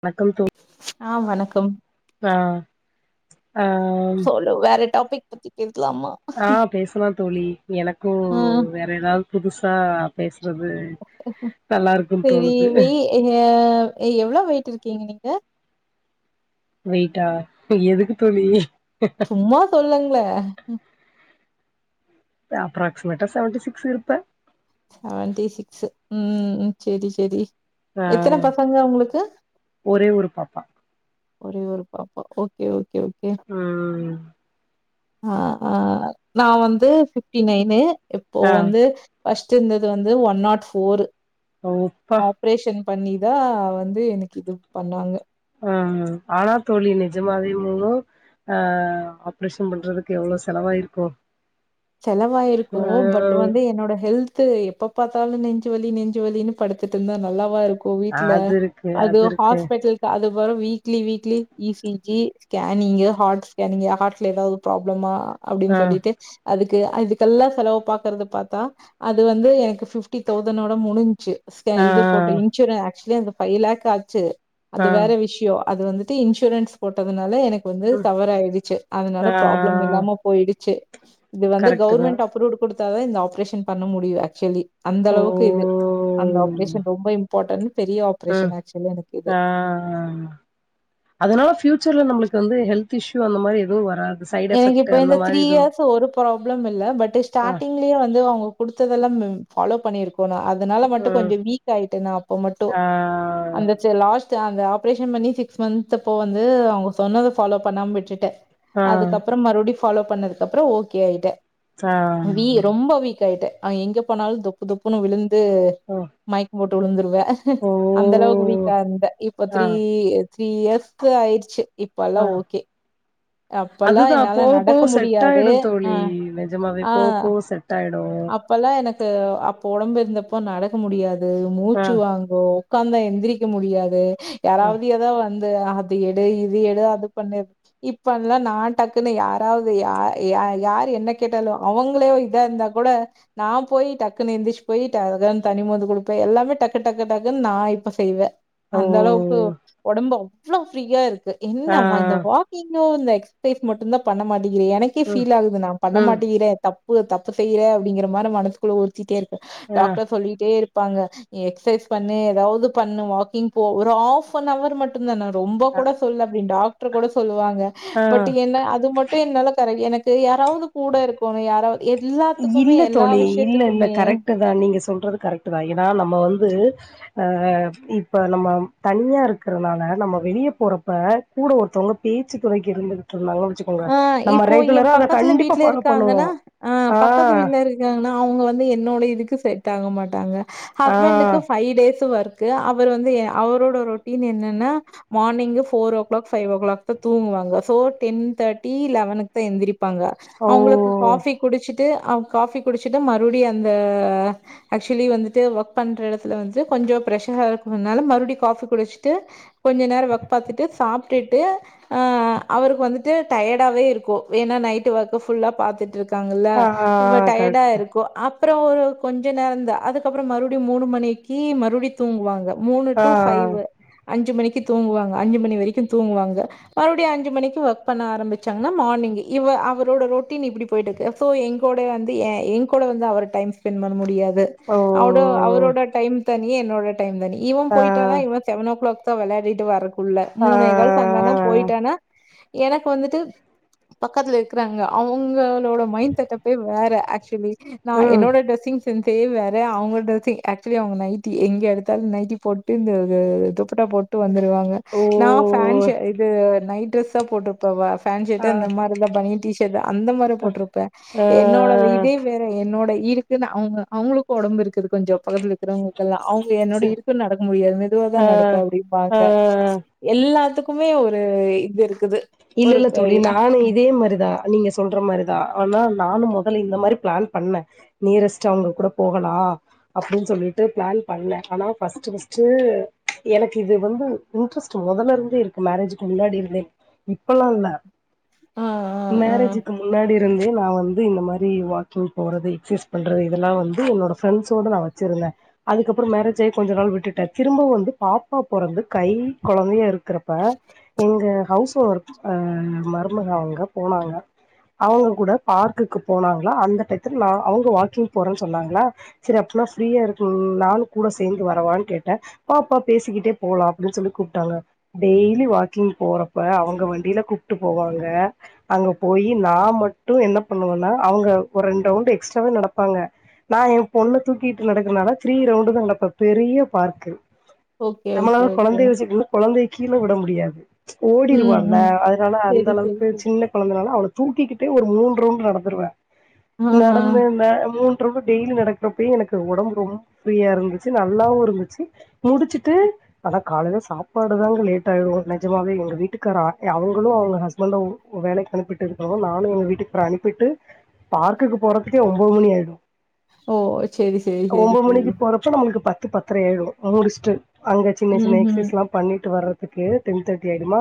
வணக்கம் தோ ஆ வணக்கம் ஆ ஆ சொல்லு வேர டாபிக் பத்திகிர் ஆ பேசலாம் தோழி எனக்கு ஆ வேற ஏதாவ் புதுசா பேஸ் சேரி தோணுது வீ ஹ ஏ எவ்ளோ வெயிட் இருக்கீங்க நீங்க வெயிட்டா எதுக்கு தோழி சும்மா சொல்லுங் கில அப்ராகஸ்மெண்டா செவன்டி சிக்ஸ் இருப்பேன் செவன்டி சிக்ஸ் ம் சேரி சேரி ஆ ஒரே ஒரு பாப்பா ஒரே ஒரு பாப்பா ஓகே ஓ ம் ஆ ஆ நா வந்து பிப்டி நைய்னு இப்போ ஆ வந்து ஃபஸ்ட் இருந்தது வந்து ஒன் நாட் ஃபோர் ஓ ப்பா ஆப்ரேஷன் பண்ணிதா வந்து எனக்கு இது பண்ணாங்க ம் ஆனா தோழி நிஜமாவே மூணும் ஆ ஆப்ரேஷன் பண்றதுக்கு எவ்ளோ செலவாயிருக்கு செலவாயிருக்கு பட் வந்து என்னோட ஹெல்த் த்து எப்ப பாத்தாலு நெஞ்சு வலி நெஞ்சுலின்னு படுத்துட்டு இருந்தா நல்லாவா இருக் இப்போ ஆ வீட்டுல அது இருக்கு அது இருக்கு ஹாஸ்பிட்டலுக்கு அது வரும் weekly weekly ECG scanning heart scanning ஹார்ட்ல ஏதாது ப்ராப்ளமா ஆ அப்பிடின் சொல்லிட்டு அதுக்கு அதுக்கெல்லா செலவு பாக்கறது பாத்தா அது வந்து எனக்கு ஃபிப்டி தௌசண்வோட முடிஞ்சுச்சி ஸ்கே ஆ இது போட்ட இன்சூர ஆக்சுலி அந்த ஃவைவ் லாக் ஆச்சி அது ஆ வேற விஷ்யோ அது வந்துட்டு இன்சூரன்ஸ் போட்டதுனால எனக் க்கு வந்து ம் தவறு ஆயிடுச்சி அதனால ப்ராப்ளம் ஆ இல்லாம போயிடுச்சி இது வந்து கரெக்ட்டு தா கவர்மெண்ட் அப்ரூவுடு குடுத் த்ததா இந்த ஆப்ரேஷன் பண்ண முடியு ஆக்சுலி அந்த ஓ அளவுக்கு இது அந்த ஆப்ரேஷன் ரொம்ப இம்பார்ட்டன் பெரிய ம். ஆப்ரேஷன் ஆக்சுலி எனக்கு இது ஆ இது வந்து ஹெல்த் இஷ்யூ அந்த மாரி எதுவு வராது சைட் எனக்கு எஃபெக்ட் இப்ப அந்த இந்த த்ரீ மாரி எதுவு இயர்ஸ் ஒரு ப்ராப்ளம் இல்ல பட் ஆ ஸ்டார்டிங்லயே வந்து அவுங்க குடுத்ததெல்லா ஃபாலோ பண்ணியிரு போன அதனால மட்டு ம் கொஞ்சோ வீக் ஆயிட்டே நா அப்ப மட்டு ஆ அந்த சி லாஸ் த்து அந்த ஆப்ரேஷன் பண்ணி சிக்ஸ் மன்த் அப்போ வந்து அவுங்க சொன்னத ஃபாலோ பண்ணாம விட்டுட்டே ஆ அதுக்கப்புறோ மறுபடி ஃபாலோ பண்ணதுக்கு அப்புறோ ஓகே ஆகிட்டே ஆ வீ ரொம்ப வீக் ஆயிட்டே அ எங்க போனாலு தொப்பு தொப்புன்னு விழுந் து ஓ மயக்கம் போட் ட் உழுந்துருவ ஓ அந்த அளவுக்கு வீக்கா இருந்த இப்ப ஆ த்ரீ த்ரீ இயர்ஸ்க்கு ஆயிடுச்சு இப்ப எல்லா ஆ ஓகே அப்பல்லா அதுதா என்னால போக நடக்க போக செட் முடியாது ஆயிடு ஆ தோழி நெஜமாவே ஆ போவப் போவ செட் ஆயிடு அப்பல்லா எனக்கு அப்ப ஒடம்பு இருந்தப்ப நடக்க முடியாது அது ஆ மூச்சு வாங்கு ஒக்காந்தா எந்திரிக்க முடியாது ஆ யாராவது ஏதாவ வந் து அது எடு இது எடு அது பண்ணு இப்பல்லா நா டக்குன்னு யாராவது யா யார் என்ன கேட்டாலோ அவுங்களே இதா இருந்தா கூட நா போய் டக்குன்னு எந்துருச்சு போய் ட தண்ணி மோந்து கொடுப்பே எல்லாமே டக்கு டக்கு டக்குன்னு நா இப்ப செய்வே ஓ அந்த அளவுக்கு ஒடம்பு எவ்ளோ ப்ரீயா இருக்கு ஆ என்னவா இந்த வாக்குக்கு ன்னு அந்த எக்ஸைஸ் மட்டு தா பண்ண மாட்டே எனக்கே ம் ஃபீல் ஆகுது நா பண்ண ம் மாட்டேங்கிறே தப் பு தப்பு செய்ற அப்டிங்ற மாரி மனசுக்குள்ள உருத்திட்டே இரு ஆ டாக்டர் சொல்லீட்டே இரு ப்பாங்க எக்சசைஸ் பண்ணு ஏதாவது பண்ணு வாக்கிங் போ ஒரு ஆப் அவர் மட்டுந்தான ரொம்ப கூட சொல்ல அப்டின் டாக் [unintelligible] சொல்லுவாங் ஆ பட் என்ன அது மட்டு என்னால கர எனக் செரி யாராவது கூட இருக்கணு யாராவது எல்லாத்துக்குமே இல்ல எல்லா தோழி இல்ல இல்ல விஷயத்துக்குமே கரெக்ட்டு தா நீங்க சொல்றது கரெக்ட்டு தா ஏன்னா நம்ம வந்து அ இப்ப நம்ம தனியா இருக்கறனால நம்ம வெளிய போறப்ப கூட ஒருத்தவங்க பேச்சு தொணைக்கு இருந்துட்டு ந்தாங்கன்னா வச்சுக்கோங்க ஆ நம்ம இப்போ என் ரெகுலரா அத பக்கத்துல கண்டிப்பா வீட்ல ஃபாலோ இருக்காங்கன்னா, பண்ணுவோ ஆ ஆ பக்கத்து வீட்ல இருக்காங்கன்னா அவுங்க வந்து என்னோட இதுக்கு சரி தாங்க மாட்டாங்க ஆ ஹஸ்பண்டுக்கு ஃபைவ் டேஸ் ஒர்க் க்கு அவர் வந்து அவரோட ரொட்டீன் என்னன்னா morning four o'clock five o'clock தா தூங்குவாங்க சோ டென் தேர்டி லெவன்க்குதா எந்திரிப் ப்பாங்க ஓ அவுங்களுக்கு ஃகாபி குடிச்சிட் ட்டு அவங் காஃபி குடிச்சுட்டு மறுபடியு அந்த ஆ ஆக்சுலி வந்துட்டு ஒர்க் பன்ற இடத்துல வந்து கொஞ்சோ பிரஸ்ஷர் இருக்கறனால மறுபடியு காஃபி குடிச்சுட்டு கொஞ்ச நேரோ ஒர்க் பாத்துட்டு சாப்டுட்டு ஆ அவர்க்கு வந் டயடாவவே இருக்கு வேணா நைட் ஒர்க ஃபுல்லா பாத்துட்டு இருக் காங்கல்ல ஆ ஆ சும்மா டயடா கரெக்ட் இருக்கு அ அப்புறோ ஒரு கொஞ்ச நேரந்தா அதுக்கப்புறோ மறுபிடியு மூணு மணிக்கு மறுபிடியு தூங்குவாங்க மூணு ஆ டூ ஃபைவ் அஞ்சு மணிக்கு தூங்குவாங்க அஞ்சுமணி வரிக்கு தூங்குவாங்க மறுபிடியு அஞ்சுமணிக்கு வோ க் பண்ண ஆரம்பிச்சாங்கன்னா மார்னிங் இவ அவரோட ரொட்டீன் இப்பிடி போயிட்டுக்கு சோ என்கூட வந்து ஏ கூட வந்து அவர் டைம் ஸ்பெண்ட் பண்ண முடியாது த் ஓ அவ்டோ அவரோட டைம் த நீ என்னோட டைம் தான இவ ஆ போயிட்டானா இவ செவனோஓ கிளாக் த்தோ விளாடிட்டு வர உள்ள ஆ மூனேகால்க்கு வந்தனா போயிட்டானா எனக்கு வந்துட்டு பக்கத்துல இருக்கிறாங்க அவங்களோட மைண்ட் செட்ப்பே வேற ஆக்சுலி நா ம் என்னோட டிரெஸ்ஸிங் சென் சென்ஸே வேற அவுங்க டிரெஸிங் ஆக்சுலி அவுங்க நைட்டி எங்க எடுத்தாலு நைட்டி போட்டு இந்த துப்புட்டா போட்டு வந்து ருவாங்க ஓ நா பேன்ஸ் செ இது நைட் த்தா போட்டுருப்ப வாஃப் பேண்ட்ஷட் ஆ அந்த மாரிதா பனியன் டிஷர்ட் அந்த மாரி போட்டிருப்பே ஆ என்னோட இதே வேற என்னோட இருக்குன்னு அவுங்க அவுங்களுக்கு ஒடம்பு இருக்குது கொஞ்சோ பக்கதுல இருக்கிறவங்களுக்கெல்லா அவுங்க ச என்னோடய இருக்கு நடக்க முடியாது மெதுவா தா நடப்பே ஆ அப்பிடிம்பாங்க ஆ எல்லாத்துக் ப்புமே ஒரு இது இருக் இல்ல இல்ல தோழி நானு இதே மாரிதா நீங்க சொல்ற மாரிதா ஆனா நானு முதல்ல இந்த மாரி பிளான் பண்ணே நியரஸ்ட் அவுங்க கூட போகலா அப்பிடின்னு சொல்லிட்டு பிளான் பண்ணே ஆனா பஸ்ட் பஸ்ட் எனக்கு இது வந்து இன்ட்ரெஸ்ட் முதல இருந்தே இருக்கு மேரேஜ்கு முன்னாடி இருந்தே இப்பலா இல்ல ஆ, ஆ, ஆ. மேரேஜுக்கு முன்னாடி இருந்தே நா வந் இது இந்த மாரி வாக்கிங் போறது எக்சஸ் பண்றது இதெல்லா வந்து என்னோட பிரண்ட்ஸ் ஓட நா வச்சிருந்தே அதுப்புறோ மேரேஜ் ஆக கொஞ்ச நாள் விட்டுட்டே திரும்ப வந்து பாப்பா பொறந்து கை கொழந்தையா இருக்கிறப்ப எங்க ஹவுஸ் ஓனர் அ மருமக அவுங்க போனாங்க அவுங்க கூட பார்க்குக்கு போனாங்களா அந்த டயத்துல நா அவுங்க வாக்கிங் போறேன்னு சொன்னாங்களா சரி அப்பின்னா ஃப்ரீயா இருக்கு நானு கூட சேந்து வரவான்னு கேட்டே வாப்பா பேசிக்கிட்டே போலா அப்பிடின் சொல்லி கூப்ட்டாங்க டெய்லி வாக்கிங் போறப்ப அவுங்க வந் டில கூப்பிட்டு போவாங்க அங்க போய் நா மட்டு என்ன பண்ணுவன்னா அவுங்க ஒரு ரெண்டு ரவுண்ட் எக்ஸ்ட்ராவே நடப்பாங்க நா ஏ பொண்ண தூக்கிட்டு நடக்கனால திரீ ரவுண்டுதா நடப்ப பெரிய பார்க்கு ஓகே, ஓகே, நம்மளால ஓகே. கொழந்தைய வச்சுட்டு இன்னா கொழந்தைய கீழ விட முடியாது ம் ம், ஓடிருவாங் நா ம். அதனால அந்த சரி, சரி, அளவுக்கு சரி. சின்ன கொழந்தனால அவளுக் தூக்கிக்கிட்டு ஒரு மூணு ரவுண்ட் நடந்துருவே ஆஹா. நடந்த இந்த மூண் ரவுண்டு டெய்லி நடக்கறப்பயே எனக்கு ஒடம்பு ரொம்ப ஃப்ரீயா இருந்துச்சு நல்லாவு இருந்துச்சு முடிச்சுட்டு அதா காலைல சாப்பாடுதாங்க லேட் ஆயிடு நெஜமாவே எங்க வீட்டுக்காரு ஆ எ அவங்களு அவங்க ஹஸ்பண்டு வேலைக்கு அனுப்பிட்டு இருக்கனு நானு எங்க வீட்டுக்கார அனுப்பிட்டு பார்க்குக்கு போறதுக்கே ஒம்போது மணி ஆயிடு ஓ சேரி சேரி சேரி சேரி த்து பத்தர ஆயிடு அங்க முடிச்சிட்டு அங்க சின்ன சின்ன ம்ஹ்ம். எக்சைஸ்லா பண்ணிட்டு வர்ற துக்கு டென் தேர்ட்டி ஆயிடுமா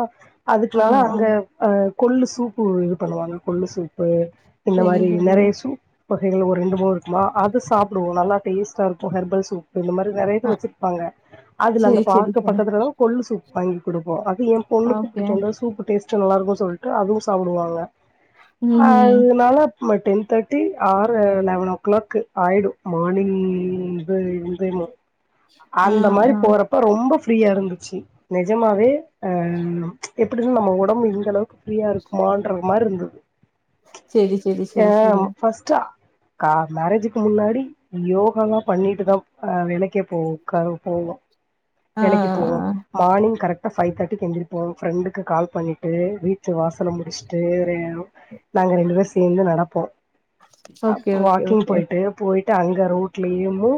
அதுக்கு ஆ, மேல ஆ. அங்க ஆ கொள்ளு சூப்பு இது பண்ணுவாங்க கொள்ளு சூப்பு இந்த சரி, மாரி சரி. நெறைய சூப் வகைகள் ஒரு ரெண்டு மூணு இருக்குமா அது சாப்புடுவோ நல்லா டேஸ்ட்டா இருக்கு ஹெர்பல் சூப் இந்த மாரி நெறை இது ஆ, வச்சிருப்பாங்க. அதுல அந்த சரி, சரி, பார்க்கு சரி. பக்கத்துலதா கொள்ளு சூ வாங்கி குடுப்போ ஆ இது ஏன் பொண்ணுக்கு இப்டி ஓகே. சந்தோஷமா இப்ப டேஸ்ட் டு நல்லா இருக்குன்னு சொல்ட்டு அதுவு சாப்புடுவாங்க ம்ஹ்ம். அதுனால ஆமா டென் தேர்ட்டி ஆறு லெவன் ஓ கிளாக் ஆயிடு மார்னிங் இது எழுந்திதுமு ஆ, அந்த மாரி ஆ. போறப்ப ரொம்ப ஃப்ரீயா இருந்துச்சி நெஜமாவே ஆ எப்டினா நம்ம ஒடம்பு இந்த அளவுக்கு ஃப்ரீயா இருக்குமான்ற மாரி இருந்துது சரி, சரி, ஆ சரி, சரி. ஃபஸ்ட்டு ஆ கா மேரேஜுக்கு முன்னாடி யோகாலா பண்ணிட்டுதா ஆ வேலைக்கே போ க போவோ ஆ, எனக்கு இப்போ ஆ. மார்னிங் கரெக்ட் ஃப்வ் தேர்டிக்கு எந்திரிப்போ ஃப்ரெண்டுக்கு கால் பண்ணிட்டு வீட்டு வாசல முடுச்ட்டு நாங்க ரெண்டு பேரு சேந்து நடப்போ ஓகே, ஓகே, வாக்கிங் ஓகே. போய்ட்டு போயிட்டு அங்க ரோட்லயேமு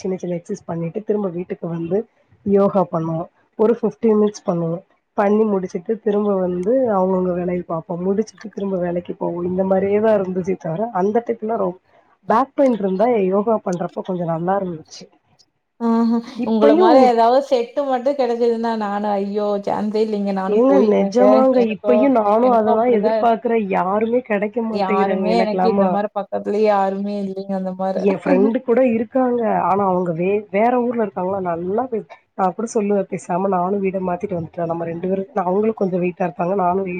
சின்ன சின்ன எ்சைஸ் பண்ணிட்டு திரும்ப வீட்டுக்கு வந்து யோகா பண்ணுவோ ஒரு பிப்டி மினிட்ஸ் பண்ணுவோ பண்ணி முடிச்சுட்டு திரும்ப வந்து அவுங்கவுங்க வேலய பாப்போ முடிச்சுட்டு திரும்ப வேலைக்கு போவோ இந்த மாதிரியே தா இருந்துச்சே தவிர அந்த டைம்லா ரொம்ப பேக் பெயின் இருந்தா யோகா பண்றப்ப கொஞ்சோ நல்லா இருந்தது ச ஆ உங்கள மாரி ஏதாவது செட்டு மட்டு கெடக்குதுன்னா நானும் ஐ யோ ஏங்க நெஜமாங்க இப்பயு நானு எனக்கும் அததா அப்படிதான் எதிர்பாக்கறே யாருமே கெடைக்க மாட்டேங்கறாங்க யாருமே எனக்கு எனக்கலாம இந்த மாரி பக்கத்துலயே யாருமே இல்லைங்க அந்த மாரி. எ ஃப்ரெண்டு் கூட இருக்காங்க ஆனா அவுங்க வே வேற ஊர்ல இருக்காங்களோ நல்லா பே நா கூட சொல்லுவே பேசாம நானு வீட மாத்திட்டு வந்துட்டே நம்ம ரெண்டு பே அவுங்களு கொஞ்சோ வெயிட்டா இருப்பாங்க நானு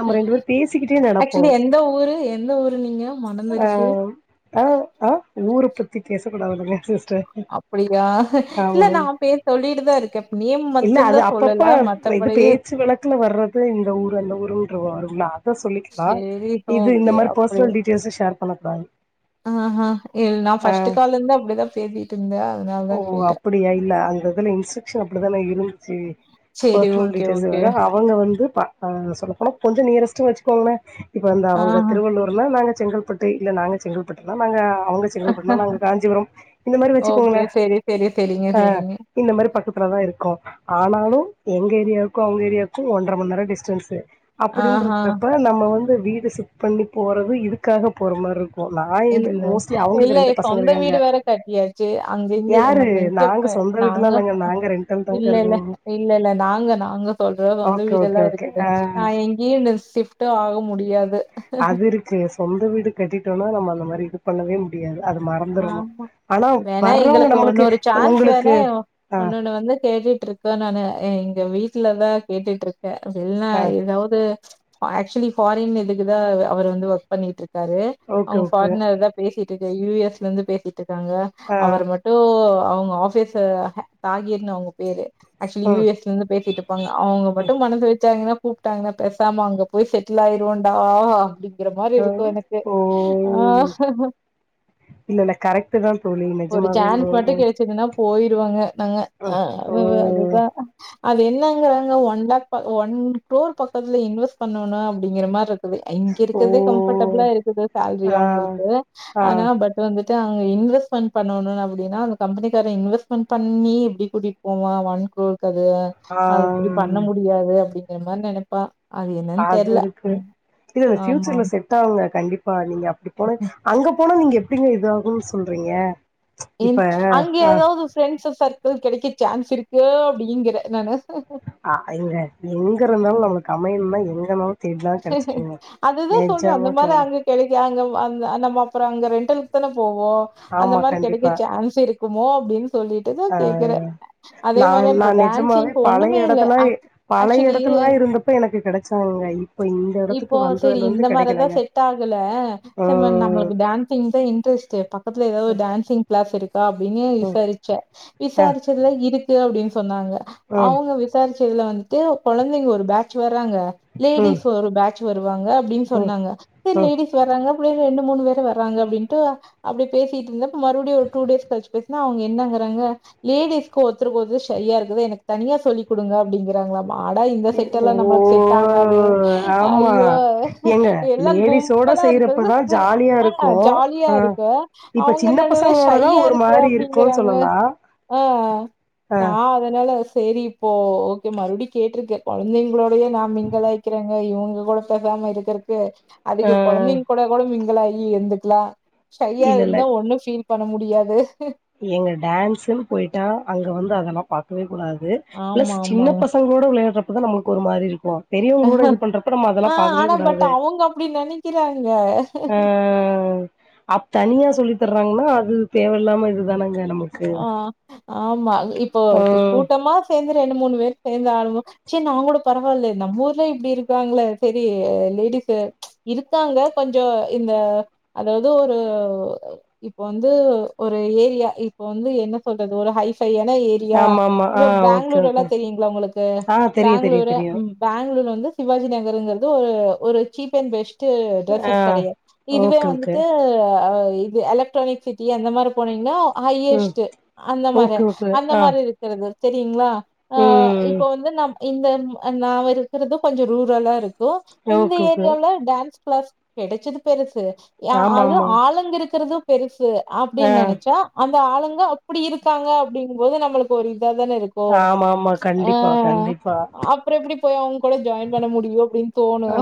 நம்ம ரெண்டு பேர் பேசிக்கிட்டே நடப்போ ஆக்சுவலி எந்த ஊரு எந்த ஊரு நீங்க மணந்துருச்சு அ ஆ ஊரு த்தி பேசக் கூடாதுங்க அப்புடியா இல்ல நா பேர் சொல்லிட்டுதா இருக்கே நேம் இல்ல மட்டுந் தா அது சொல்லல அப்பப்ப மத்த பேச்சு வளக்குல வர்றது இந்த ஊர் அந்த ஊர் வருல அத சொல்லிக்கலா சரி இது இந்த ஓகே மாரி பெர்சனல் டீடெயில்சு ஷேர் பண்ணக்கூடாது ஆஹ நா ஆ ஃபஸ்ட் கால் இருந்து அப்டிதா பேசிட்டு இருந்தே ஓ அதனாலதா கேட்டே அப்படியா இல்ல அந்த இதுல இன்ஸ்ட்ரக்ஷன் அப்படித்தானே இருந்துச்சு பர்சனல் டீட்டெய்ல்ஸ் வேற அவுங்க வந்து பத்தா சொல்ல போனா கொஞ்சோ நியரஸ்ட் வச்சுக்கோங்ளே இப்ப வந்து அவுங்க ஆஹா திருவள்ளூர்ல நாங்க செங்கல்பட்டு இல்ல நாங்க செங்கல்பட்டு தா நாங்க அவுங்க செங்கல்பட்டு நாங்க காஞ்சிபுரம் இந்த மாரி வச்சுக்கோங்க ஓகே சரி சரி சரிங்க ஹ சரிங்க. இந்த மாரி பக்கத்துல தா இருக்கோ ஆனாலு எங்க ஏரியாவுக்கு அவூங்க ஏரியாவுக்கு ஒன்ற மணி நேர டிஸ்டன்ஸு ஆஹா அப்டின்றக்கப்ப நம்ம வந்து வீடு ஷிஃப்ட் பண்ணி போறது இதுக்காக போற மாரி இருக்கு நா என்ன இல்ல மோஸ்ட்லி இல்ல அவங்களுக்கு ரெண்டு பசங்க சொந்த இருக்காங்க வீடு வேற கட்டியாச்சு அங்க இங்கய யாரு நம்ம இங்க நாங்க போ சொந்த வீட்டுலா நாங்க இல்லங்க நாங்க ரெண்டல் தாங்க இல்ல இருக்கோ இல்ல இல்ல இல்ல நாங்க நாங்க சொல்றது வந்து ஓகே ஓகே வீடெல்லா ஓகே இருக்குது அ நா எங்கேயு இந்த ஷிப்ட் விட்டு ஆக முடியாது அது இருக்கு சொந்த வீடு கட்டிட்டோன்னா நம்ம அந்த மா ரி இது பண்ணவே முடியாது அது மறந்துரணு ஆமா ஆனா வேண்ணா வர்றவங்க எங்களுக்கு நம்மளுக்கு உன்னொரு சான்ஸ் உங்களுக்கு வேண்ணா ஆ உன்னொன்னு வந்து தேடிட்டு இருக்கே நானு எங்க வீ ட்லதா கேட்டுட்ரு க்கே வெள்நா ஆ ஏதாவது அ ஆக்சுவலி ஃபாரின் இதுக்குதா அ அவர் வந்து ஒர்க் பண்ணிக்கிட்டு இரு க்காரு ஓகே அவங்க ஓகே ஃபாரினர்தா பேசி ட்ருக்கு யூ எஸ் லேர்ந்து பேசி ட்ருக்காங்க ஆ அவர் மட்டு அவங்க ஆஃபீஸு அஹ தாஹீர்னு அவங்க பேரு ஆக்சுவலி யு ம் எஸ் ல இருந்து பேசிட்டு இருப்பாங்க அவங்க மட்டு மனசு வச்சாங்கன்னா கூப்ட்டாங்கன்னா பேசாம அங்க போய் செட்டில் ஆயிருவோண்டா அப்டி ங்கற மாரி ஆ இருக்கு எனக்கு ஓ ஆ இல்ல இல்ல கரெக்ட் தா தோழி ஒரு நெஜமாவே சான்ஸ் மட்டு ம் கெடைச்சதுன்னா போயிருவோங்க நாங்க ஆ ம் ஓ ஆமாமா அதுதா அது என்னங்கறாங்க ஒன் லேக் ப ஒன் குரோர் பக்கத்துல இன்வெஸ்ட் பண்ணணு அப்டிங்கற மார இ ருக்குது இங்க ஓ இருக்கறதே கம்ஃபர்டபிளா இருக்குது சேலரி ஆ அவுங்களுக்கு ஆ ஆனா ப ட் அங்க இன்வெஸ்ட்மெண்ட் பண்ணனு அப்டினா அந்த கம்பெனிகார இன்வெஸ்ட்மெண்ட்பண்ணி எப்டி கூட்டிட்டு போவா ஒன் க்ரோர் க்கு அது அது இப்பிடி பண்ண ஆ முடியாது அப்டி ங்கற மாரி நெனைப்பா அது என்னன்னு அது தெர்ல. இருக்கு ம் இல்ல இல்ல ஃப்யூச்சர்ல ஆமாம். செட் ஆகுங்க கண்டி நீங்க அப்டி போனா அங்க போனா நீங்க எப்டிங்க இதாகுன் சொல்றீங்க ன் இப்ப அங்க அ எதாவது ஃப்ரெண்ட்ஸு சர்க்கிள் கெடைக்க சான்ஸ் இருக்கோ அப்டிங்கிற நானு ஆ ஏங்க எங்க இருந்தாலு நமக்கு அமையணுன்னா எ ங்கனாலு அதுதா சொல்ற அந்த மாரி தோழி ஆளுங்க கெடைக்கு அங்க வ அந்த அந் நம்ம அப்புறோ அங்க ரெண்ட்டலுக்குதான போ வோ அந்த ஆமா மாரி கெடைக்க கண்டிப்பா சான்ஸ் இருக்குமோ அப்டின் அ நான் நா மாரி நா இப்ப நெஜமாவே டான்சிங்க்கு ஒண்ணுமே பழைய இல்ல எடத்துலா ஆக் பழைய ஆக்சுவலி எடத்துலல்லா இருந்தப்ப எனக்கு கெடச்சாங்க இப் இப்போ சேரி இந்த மாரிதா செட் ஆகல ச ம் நம்மளுக்கு டான்சிங்தா இன்ட்ரெஸ்ட் ப க்தல ஏதாது டான்சிங் கிளாஸ் இருக்கா அப்பிடின்னு ம் ம் விசாரிச்ச அ விசாரிச்சதுல இருக்கு அப்பிடின் சொன்னாங்க ம் அவுங்க விசாரிச்சி த் இதுல வந்துட்டு கொழந்தைங்க ஒரு பேச்சுவேர் இட்ராங்க ம் லேடிஸ் பேட்சி வரு வாங்க அப்பிடின் ம் சொன்னாங்க சேரி ம் லேடிஸ்வராங்க அப்பிடியே ரெண்டு மூணு பேர் வர்றங்க அப்பிடின்ட்டு அப்பிடி பேசிட்டு இருந்த மறுபிடியு ஒரு டூ டேஸ் கழிச்சி பேசுனா அவுங்க என்னங்கறாங்க லேடிஷ்க்கு ஒருத்தருக்கு ஒருத்த சையாக்குது எனக்கு தனிய சொல்லி குடுங்க அப்பிடிங்கறாங்க மாட இந்த செட்டல்லா ஓ நம்மளுக்கு செட் ஆகாது ஆமா ஐயோ ஏங்க எல்லா லேடிஸோட கும்பலா இருந்தது செய்யறப்பதா ஜாலியா ஆ இருக்கு ஜாலியா ஆ இருக்கு இப்ப அவுங்க சின்ன என்னடா பசங்களோடதா ஷையா ஒரு இருக்கு மாரி இருக்குன்னு அப்பிடிங்கறாங்க சொல்லலா ஆ ஆ நா அதனால சேரி போ ஓகே மறுபிடியு கேட்டிருக்கே கொழந்தைங்களோடையே நா மிங்கலாயி க்கிறங்க இவுங்க கூட பேசாம இருக்கறக்கு ஆ அதுக்கு கொழந்தைங்க கூட கூட மிங்க் மிங்கலாய் எந்துக்கலா சையா இல்ல இல்ல இருந்தா ஒண்ணு ஃபீல் பண்ண முடியாது ஏங்க டான்ஸ்ன்னு போயிட்டா அங்க வந்து அதெல்லா பாக்கவே கூடாது து பிளஸ் ஆமா, சின்ன ஆமாங்க. பசங்களோட விளையாடற இப்பதா நம்மளுக்கு ஒரு மாரி இருக்கு பெரியவங்களோட இது பண்றப்ப நம்ம ஆ அதெல்லா பாக்கவே ஆனா பட் கூடாது அவங்க அப்டி நெனைக்கிறாங்க. அ அப் தனியா சொல்லி த்தர்றாங்கன்னா அது தேவயில்லாம இது தானங் த நமக்கு ஆ, ஆமா இப்போ ம் கூட்டமா சேந்து ரெண்டு மூணு பேர் சேந்த ஆளும சே நாங் கூட பரவாயில்ல நம்ம ஊர்ல இப்பிடி இருக்காங்கள சேரி லேடிஸ் இருக்காங்க கொஞ்சோ இந்த அதாவது ஒரு இப்ப வந்து ஒரு ஏரியா இப்ப வந்து என்ன சொல்றது ஒரு ஹை என ஏரியா ஆமா ஆமா ஆ இப்ப ஓகே பேங்களூர் எல்லா ஓகே தெரியுங்களா உங்களுக்கு ஆ தெரியு தெரியு பேங்களூரு தெரியு பேங்களூர் வந்து சிவாஜி நகருங்கள் ஒரு சீப் அன் பெஸ்ட் ஆ டஸ்சு கிடையா இதுவே ஓகே ஓகே வந்துட்டு இது எலக்ட்ரானிக் சிட்டி அந்த மாரி போனீங்னா ம் ஹையஸ்ட் அந்த மாரி ஓகே ஓகே அந்த ஆ மாதிரி இருக்குறது தெரியுங்ளா ஆ ம் இப்போ வந்து நம் இந்த நாவ இருக்குறது கொஞ்சோ ரூரலா இருக்கு இந்த ஓகே ஓகே ஏரியால டான்ஸ் பிளஸ் கிடைச்சது பெருசு ஆமா அது ஆமா ஆளுங்கக்கு இருக்குறது பெருச ஆ அப்டின்னு நெனச்சா அந்த ஆளுங்க அப்டி இருக்காங்க அப்டிங்கும்போது நம்மளுக்கு ஒரு அத தானே இருக்கு ஆமா ஆமா ஆ கண்டிப்பா கண்டிப்பா அப்றோ எப்டி போய் அவுங்க கூட ஜாயின் பண்ண முடியு அப்டின்னு தோணு ஆ